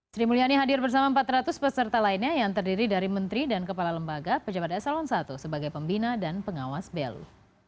sri mulyani hadir bersama empat ratus peserta lainnya yang terdiri dari menteri dan kepala lembaga pejabat eselon i sebagai pembina dan pengawas belu